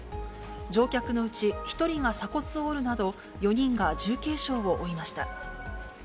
乗客のうち、１人が鎖骨を折るなど、４人が重軽傷を負いました。